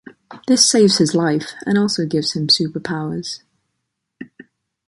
This saves his life and also gives him superpowers.